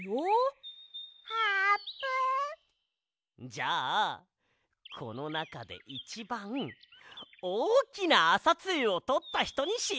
じゃあこのなかでいちばんおおきなあさつゆをとったひとにしよう！